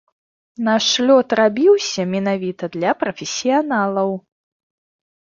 Наш лёд рабіўся менавіта для прафесіяналаў.